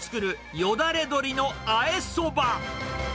よだれ鶏のあえそば。